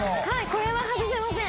これは外せません。